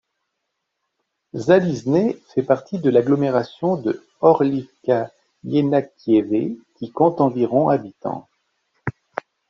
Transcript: Zalizne fait partie de l'agglomération de Horlivka – Ienakiieve, qui compte environ habitants.